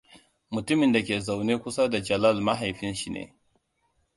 Mutumin dake zaune kusa da Jalal maihaifin shi ne.